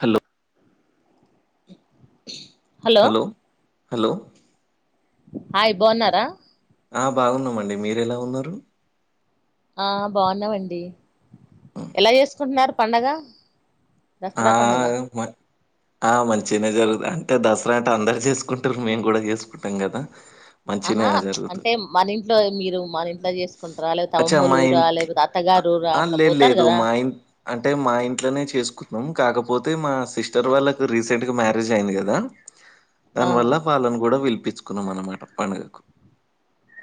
Hello hello hello hi బావున్నారా ఆ బాగున్నమండి మీరేలా ఉన్నారు ఆ బాగున్నావండి ఎలా చేసుకుంటున్నారు పండగ ఆ దసరా పండగ గమ ఆ మంచినే జరుగుద అంటే దసరా అంటే అందరు చేసుకుంటారు మేము కూడా చేసుకుంటాం కదా మంచినే ఆహా జరుగుతుంది అంటే మనీట్లో మీరు మన ఇంట్లో చేసుకుంటారా లే తమమ్ములురా లేపోతే అత్తగ అ లేదు లేదు మా ఇం అంటే మా ఇంట్లోనే చేసుకు మమ్ కాకపోతే మా సిస్టర్ వాళ్ళకి రీసెంట్ గా మ్యారేజ్ అయింది కదా ఆ దానివల్ల వాళ్లను కూడా విలిపించుకున్నాం అనమాట పండుగకు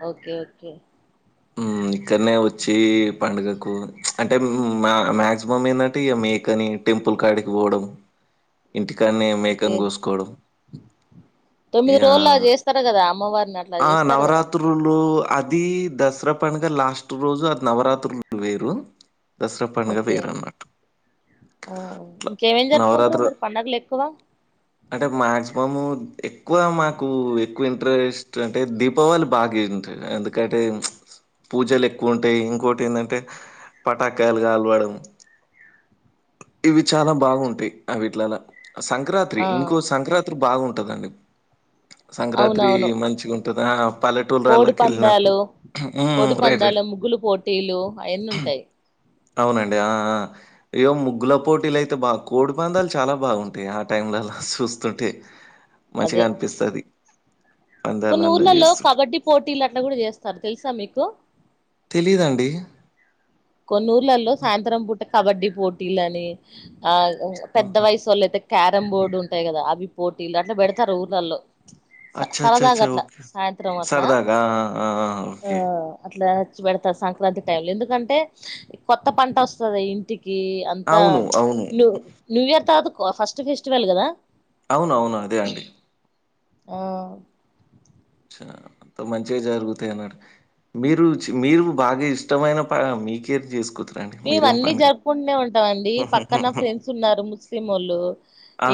ఓకే ఓకే ఇక్కడనే వచ్చి పండుగకు అంటే మాక్సిమం ఏంటంటే ఇగ మీ మేకని టెంపుల్ కాడికి పోవడం ఇంటికానే ఓకే మేకని కోసుకోవడం తొమ్మిది ఇగ రోజులు చేస్తారు కదా అమ్మవారిని అట్లా ఆ చేస్తారు కదా నవరాత్రులు అద్ అది దసరా పండాగ లాస్ట్ రోజు అది నవరాత్రులు వేరు దసరా పండుగ ఓకే వేరు అన్నట్టు ఇంకేమేం జరుపుకుంటారు మీరు పండుగలు ఎక్కువ అంటే మాక్సిమమ్ ఎక్కువ మాకు ఎక్కువ ఇంట్రెస్ట్ అంటే దీపావళి బాగా ఎందుకంటే పూజలు ఎక్కువ ఉంటాయి ఇంకోటి ఏంటంటే పటాకాలు గాలవడం [inaudible] ఇవి చాలా బాగుంటాయి అ వీటిలలా సంక్రాంతి ఆ ఇంకో సంక్రాంతి బాగుంట ఉంటదండి సంక్రాంతి అవునవును మంచిగా ఉంటది పల్లెటూరు కోడి ఎలాకి వెళ్ళినట్టు పందాలు హ్మ్ కోడి రైట్ పందాలు రైట్ ముగ్గులు పోటీలు అయన్నంటాయి అవునండి ఆ ఇయ ముగ్గుల పోటీలు అయితే బాగా కోడి పందాలు చాలా బాగుంటాయి ఆ టైంలో అలా చూస్తుంటే మంచిగా అదే అనిపిస్తుది కొన్ని ఊర్లలో కబడ్డీ పోటీలు అట్లా కూడా చేస్తారు తెలుసా మీకు తెలిదండి కొన్న ఊర్లలో సాయంత్రం పూట కబడ్డీ పోటీల అని ఆ పెద్ద ఆహా! వయసు వళ్ల అయితే క్యారం బోర్డు ఉంటాయి కదా అవి పోటీలు అట్లా పెడతారు ఊర్లల్లో స అచ్చా! అచ్చా! సరదాగా అచ్చా! అట్లా ఓకే. సాయంత్రం అట్లా సరదాగా ఆ! ఆ! ఆ ఓకే. అట్లా పెడతారు సంక్రాంతి టైమ్ లో ఎందుకంటే కొత్త పంట వస్తుంది ఇంటికి అంతా అవును. అవును. ూ న్యూ ఇయర్ తర్త ఫస్ట్ ఫెస్టివల్ కదా అవునవును. అదే అండి. ఆ అ మంచిగా జరుగుతాయి అన్నాడు మీరు మీరు బాగా ఇష్టమైన ప మీకేర్ చేసుకుతున్నారు ఇవన్నీ జరుపుకుంటూనే ఉంటావండి పక్కన ఫ్రెండ్స్ ఉన్నారు ముస్లిం వాళ్ళు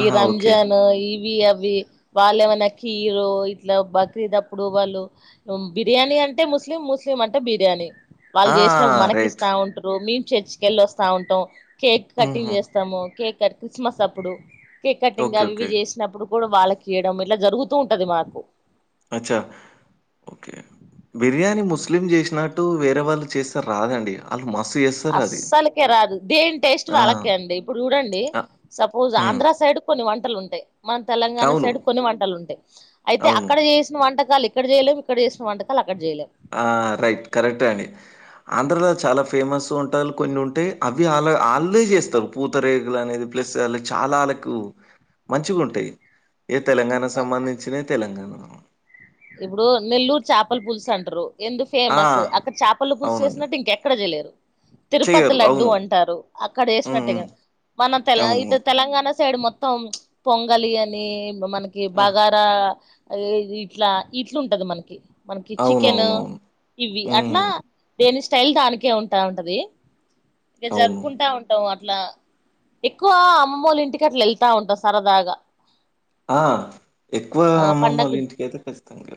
ఈ ఓకే. రంజన్ ఇవి అవి వాళ్ళమనా కీరు ఇట్లా బక్రీదప్పుడు వాళ్ళు బిర్యానీ అంటే ముస్లిం ముస్లిం అంటే బిర్యానీ వాళ్ళు ఆ! చేసిన మనకి రైట్. ఇస్తా ఉంటు మేము చర్చి కి వెళ్ళి వస్తా ఉంటాం కేక్ కటింగ్ హుహు. చేస్తాము కేక్ క్రిస్మస్ అప్పుడు కేక్ కటింగ్ ఓకే. అవి ఇవి ఓకే. చేసినప్పుడు కూడా వాళ్ళకి ఇయడం ఇట్లా జరుగుతూ ఉంటది మాకు అచ్చా ఓకే బిర్యానీ ముస్లిం చేసినట్టు వేరే వాళ్ళు చేస్తే రాదండి వాళ్ళు మ అస్సలకే రాదు దేని టేస్ట్ ఆ! వాళ్ళకే అండి ఇప్పుడు చూడండి అ సపోజ్ హ్మ్. ఆంధ్ర సైడ్ కొన్ని వంటలు ఉంటాయి మన తెలంగాణ అవును. సైడ్ కొన్ని వంటలు ఉంటాయి అయితే అవును. అక్కడ చేసిన వంట ఇక్కడ చేయలే ఇక్కడ చేసిన వంటకాలు అక్కడ చేయలేం ఆ రైట్ కరెక్ట్ే అండి ఆంధ్రలో చాలా ఫేమస్ ఉంటారు కొన్ని ఉంటాయి అవి వా వాళ్ళే చేస్తారు పూతరేగులు అనేది ప్లస్ వాళ్ళ చ కళనాకు మంచిగా ఉంటాయి ఏ తెలంగాణకు సంబంధించిన తెలంగాణ ఇప్పుడు నెల్లూరు చేపల పులుస్ అంటరు ఎందుకు ఆ! ఫేమస్ అక్కడ చేపలు పులూసు అవునండి. చేసినట్టు ఇంకెక్కడ చేయలేరు తిరుపతి చెయ్యరు. లడ్డుూ అవును. అంటారు అక్కడ హ్మ్. హ్మ్. చేసినట్టుగా మన తెల అవును. ఇటు తెలంగాణ సైడ్ మొత్తం పొంగలి అని మనకి ఆ! బగారా ఈ ఇట్లా ఇట్లు ఉంటది మనకి మనకి చికెన్ అవునవునవును. ఇవి అట్లా హ్మ్. దేని స్టైల్ దానికే ఉంటా ఉంటది ఇంక అవును. జరుపుకుంటా ఉంటాం అ అట్లా ఎక్కువ అమ్మమూళ ఇంటికి అట్లా వెళ్తా ఉంటా సరదాగా ఆ ఎక్కువ ఆ అమ్ మామలు ఇంటికైతే ఖచ్చితంగా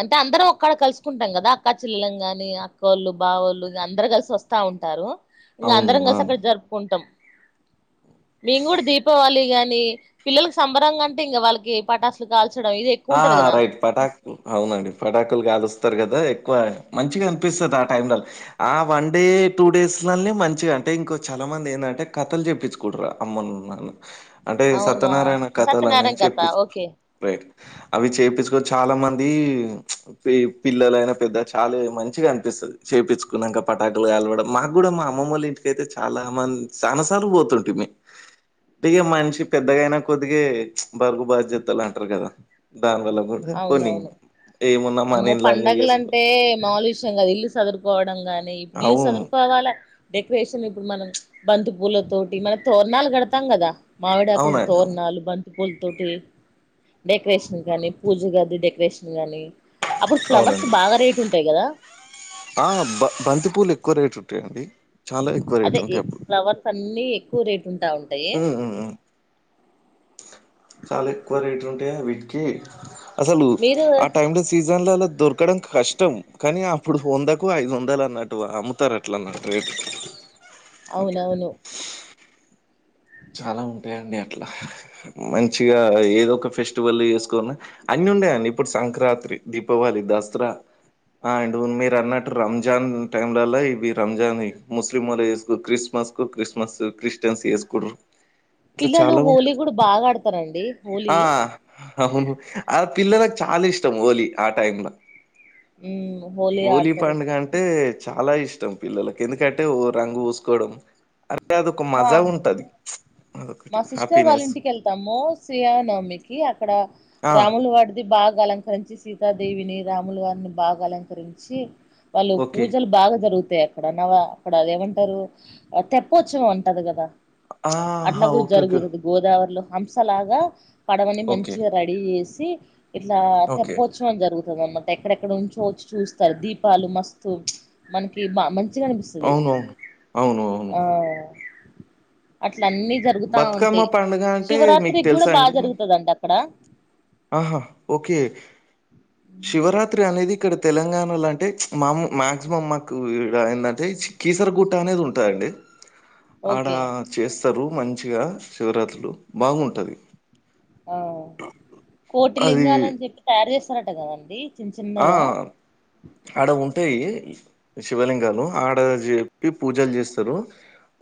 అంతా అందరం ఒక్కడ కలుసుకుంటాం కదా అక్కాచెల్లెళ్ళాం కానీ అక్కొళ్ళు బావోళ్ళు అందరు కలిసి వస్తా ఉంట ఉంటారు ఇంకా అవును. అందరం ఆ! కలిసి అక్కడ జరుపుకుంటాం మేము కూడా దీపావళి గాని పిల్లలకి సంబరంగా అంటే ఇంకా వాళ్ళకి పటాసులు కాల్చడం ఇది ఎక్కువ ఆ ఉంటది కదా రైట్ పటాకులు అవునండి పటాకులు కలుస్తారు కదా ఎ ఎక్కువ మంచిగా అనిపిస్తాది ఆ టైమ్ లలో ఆ వన్ డే టూ డేస్ లలే మంచిగా అంటే ఇంకో చాలా చానమంది ఏందంటే కథలు చెప్పించుకుంట్రు అమ్మను నాన్నాను అంటే అవునా సత్యనారాయణ కథలు అనేవి సత్యనారాయణ కథ చెప్పిస్ ఓకే రైట్ అవి చేపించుకొని చాలా మంది పె పిల్లలయినా పెద్ద చాలా మంచిగా అనిపిస్తు చేయించుకున్నాక పటాకులు కాలవడం మాకు కూడా మా అమ్మమ్మళ్ళ ఇంటికైతే చాలా మంది చాలా సార్లు పోతు తుటుంమి అంటే మనిషి పెద్దగాయినా కొద్దిగే బరువు బాధ్యతలు అంటారు కదా దాని వల్ల కూడా కొన్ని అవునవును ఏమున్నా మన అమ్మో ఇళ్ళల్నే చేసుకో పండగలంటే మాములు విషయం కాదు ఇల్లు చదురుకోవడం గాని ఇల్లు అవును సదురు కొవాలే డెకరేషన్ ఇప్పుడు మనం బంతి పూల తోటి మనం తోరణాలు కడతాం కదా మామిడాకులది అవునండి అవును తోరణాలు బంతిపూలతోటి డెకరేషన్ కానీ పూజ గది డెకరేషన్ కానీ అవునండి ఆ బ బంతి పూలు ఎక్కువ రేటు ఏమండి అదే ఫ్లవర్స్ అన్ని ఎక్కువ రేటు ఉంటా ఉంటాయి ఉమ్ ఉమ్ ఉమ్ చాలా ఎక్కువ రేటు ఉంటే వీటికి అసలు మీరు ఆ టైం లో సీజ్ సీజన్ లలో దొరకడం కష్టం కానీ అప్పుడు వందకు ఐదు వందలు అన్నట్టు అమ్ముతారు అట్లాన్న రేటు అట్లా అవునవును చాలా ఉంటాయండి అట్లా మంచిగా ఏదో ఒక ఫెస్టివల్ చేసుకొని అన్ని ఉండే అండి ఇప్పుడు సంక్రాంతి దీపావళి దసరా ఆ అండ్ మీరు అన్నట్టు రంజాన్ టైమ్ లోలా ఇవి రంజాన్ ముస్లిం వాళ్ళు చేసుకు క్రిస్మస్ క్రిస్మస్ కు క్రిస్మస్ క్రిస్టియన్స్ చేసుకుంట్రు పిల్లోల్లు హోలీ కూడా బాగా ఆడతారండి హోలీ ఆ! అవును ఆ పిల్లలకి చాలా ఇష్టం హోలీ ఆ టైమ్ లో మ్మ్ హోలీ ఆడతారు పండుగ అంటే చాలా ఇష్టం పిల్లలకు ఎందుకంటే ఓ రంగు పూసుకోవడం అంటే అదొక మా మజా ఉంటది మా అదొకటి సిస్టర్ వాళ్ళ హ్యాపీనెస్. ఇంటికి వెళ్తము శ్రీరామ నవమి కి అక్కడ ఆ! రాములు వారిది బాగా అలంకరించి సీతాదేవిని రాములు వారిని బాగా అలంకరించి వాళ్ళు ఓకే. పూజలు బాగా జరుగు తాయి అక్కడ నావ అక్కడ అదే మంటారు తెప్పెచ్చోవం అంటారు కదా అట్లా ఆహా! గూ ఓకే. ఓకే. జరుగుదు గోదావరిలో హంసలాగా పడవని ఓకే. మంచిగా రెడీ చేసి ఇట్లా ఓకే. తెప్పొచ్చొవం జరుగు ఎక్కడెక్కడ నుంచో వచ్చి చూస్తారు దీపాలు మస్తు మనకి బా మంచి గా అనిపిస్తుది అవునవును. అవును. అవును. ఆ ఇట్ల అన్నీ జరుగుతా బతుకమ్మ ఉంటాయి పండుగ అంటే మీకు శివరాత్రికి కూడా తెలుసా బాగా అండి? జరుగుతాది అంటా అక్కడ ఆహా ఓకే శివరాత్రి అనేది ఇక్కడ తెలంగాణలో అంటే మామూ మాక్సిమమ్ మాకు ఇడ ఏంది అంటే కీసరగుట్ట అనేది ఉంటాదండి ఏ ఆడ ఓకే చేస్తారు మంచిగా శివరాత్రులు బాగుంటది ఆ కోటి అది లింగాలు అని చెప్పి తయారు చేస్తారట కదండి చిన్న ఆ చిన్నగా అడ ఉంటాయి శివలింగాలు ఆడా చెప్పి పూజల్ జేస్తరూ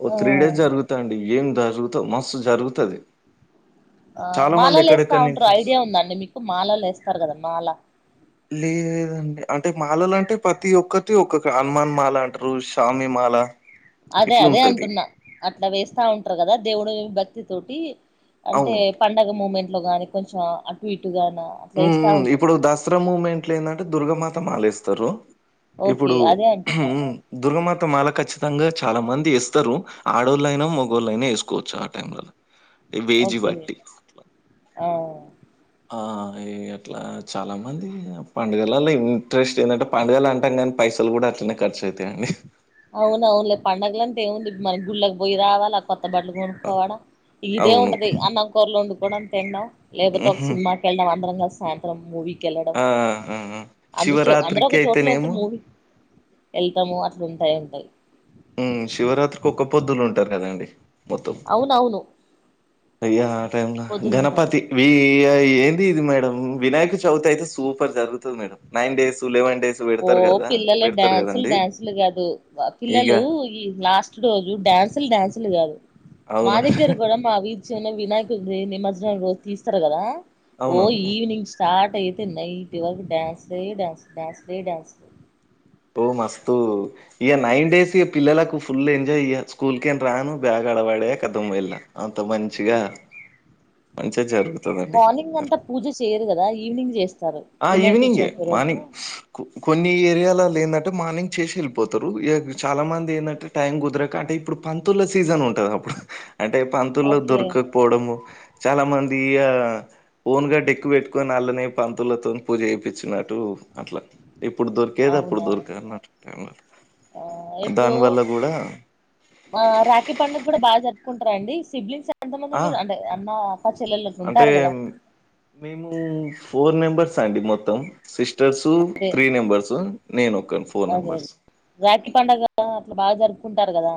ఓ ఆ త్రీ డేస్ జరుగుత అండి ఏం జరుగుతద్ మస్తు జరుగుతది. ఆ చాలా మంది మాలలు ఏస్తా ఎక్కడెక్కడి ఉంటరు నుంచో ఐడియా ఉందా అండి మీకు మాలలు ఏస్తారు గదా మాలా. లేదండి అంటే మాలలంటే ప్రతి ఒక్కటీ ఒక్కక హనుమాన్ మాలా అంటరూ షామ్నీ మా. మాలా అదే అదే అంటున్నా అట్లా వేస్తా ఉంటరు గదా దేవుడు భక్తి తోటీ. అంటే అవును. పండగ మూమెంట్ లో గానీ కొంచెం అటు ఇట్ ఊఊ ఇప్పుడు దసరా మూమెంట్లో ఏందంటే దుర్గామాత మాలేస్తరు. ఓకే ఇప్పుడూ అదే అంటున్నా హ్ము దుర్గామాత తా మాల ఖచ్చితంగా చాలా మంది ఏస్తరూ ఆడోళ్ళయినా మొగోళ్ళయినా ఏసుకోవచ్చు ఆ టైం లల్లా. ఏం వేజీ ఓకే వట్టి ఆ ఆ ఏం అట్లా చాలా మందీ పండుగలల్ల ఇంట్రెస్ట్ ఏందంటే పండగలు అంటాం గానీ పైస సల్ గూడా అట్లనే ఖర్చు అయితయండి. అవును అవునులే పండగలంటే ఏముంది మన్ గుడ్ళకి పోయి రావాలా కొత్త్ త్త బట్టలు ఆ! కొనుక్కోవాడా ఇదే అవును. ఉంటుంది అన్నం కూరలు వండుకోవడం తిన్. డం లేకపోతే ఒక సినిమాకి ఎళ్ళ్డం అందరం కల్సి సాయంత్రం మూవీ. కెళ్ళడం ఆ ఆ ఆ ఆ అందుర్ శో అందరూ శివరాత్రికి ఒక చోట్లో ఎళ్తే అయితేనేమో మూవీ ఎళ్తమూ అట్లా ఉంటాయి ఉంటాయి ఊ శివరాత్రికి ఒక్క పొద్దులు ఉంటరు కదా అండి. అవునవును అయ్యా ఆ టైమ్ నా పొద్దులుంటారు గణపతి వీ ఇగా ఏంది ఇది మేడం వినాయక చవితి అయితే సూపర్ జరుగుతది madam nine days eleven days ఓ పెడతారు కదా పిల్లల పెడతారు డ్యాన్సుల్ కదండి డ్యాన్సులు గాదు వా ఇగ పిల్లలూ ఈ లాస్ట్ రోజు డ్యాన్సుల్ డ్యాన్సులు గాదు. మా అవును దగ్గర గూడా మా వీధి చివరన వినాయకుడ్దీ నిమజ్జనం రోజు తీస్తరు కదా ఓ అవునవును ఈవనింగ్ స్టార్ట్ అయితే నైట్ వరకు డ్యాన్సులే డాన్స్ డాన్స్. లే డాన్సులు ఓ మస్తూ ఇగా నైన్ డేస్ ఇగ పిల్లలకు ఫుల్ ఎంజాయ్ ఇగ స్కూల్ కెంట్ రాను బ్యాగ్ అక్కడ పడేయా ఖతమ్ ఎళ్ళినా అంత మంచిగా మంచిగా జరుగు మార్నింగ్ అంతా పూజ చేయరు గదా ఈవినింగ్ చేస్త్ ఆ ఈవెనింగే మార్నింగ్ స్ కు కొన్ని ఏరియాలా ఆల్ ఏందంటే మార్నింగ్ చేశి ఎళ్ళిపోతరు. ఇగా చాలా మంది ఏందంటే టైం గుదరక అంటే ఇప్పుడు. పంతుల్ల సీజన్ ఉంటది అప్పుడు అంటే పంతుల్లు ఓకే దొరకకపోవడము. చాలా మంది ఇగా ఓన్ గా డెక్కు పెట్టుకొని ఆళ్ళనే పంత్ తుళ్ళతోనీ పూజ చేపిచ్చినట్టూ అట్లా. ఇప్పుడు దొరికేది అప్పుడు అవునవును దొరికనట్ట్ టైంలల్ల ఆ ఇప్పుడు దానివల్లా గూడా ఆ రాఖీ పండగ్ గూడా బాగా జరుపుకుంటరా అండి సిబ్లింగ్స్ ఎంతమంది ఆ మీరు అంటే అన్న అక్క చెల్లెలు అట్లా అంటే ఉంటారు కదా మేమూ ఫోర్ మెమ్బర్స్ ర్స్ అండి మొత్తం సిస్టర్సూ త్రీ మెంబర్సు నేను ఒక్ అదే అదే రాఖి పండుగదా అట్లా బాగా జరుపుకుంటారు గదా.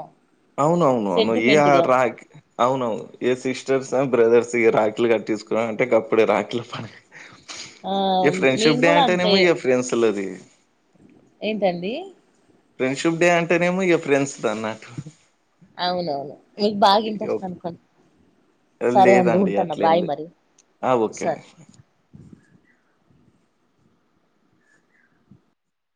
అవునవును అవును ఏ ఆ రాఖి అవును ఏ సిష్ స్టర్స్ ఆండ్ బ్రదర్స్ ఇగా రాఖీలు కట్టేసుకునర్ అంటే గప్పుడే రాఖీల పండగ ఆ ఇగ ఫ్రెండ్షిప్ డే అంటేనేమో ఇగ ఫ్రెండ్స్ లదీ. ఏంటండీ ఫ్రెండ్షిప్ డే అంటేనేమో ఇగా ఫ్రెండ్స్ దన్నట్టు. అవునవును నీకు బాగ ఇంట్రస్ట్ అనుకున్ సరే అండి లేదండి ఉంటాన్న అట్లేం బాయ్ లేదు మరి ఆ ఓకే అండి సరే